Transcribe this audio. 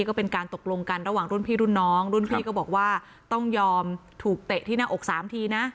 ก็เป็นการตกลงกันระหว่างรุ่นพี่รุ่นน้องรุ่นพี่ก็บอกว่าต้องยอมถูกเตะที่หน้าอกสามทีนะ